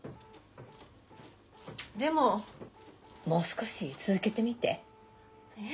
でももう少し続けてみて。え？